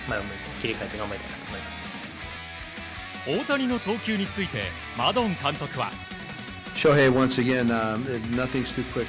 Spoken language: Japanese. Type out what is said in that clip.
大谷の投球についてマドン監督は。